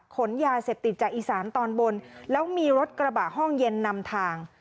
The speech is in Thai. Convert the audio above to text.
ขนยาเสพติดจากอีสานตอนบนแล้วมีรถกระบะห้องเย็นนำทาง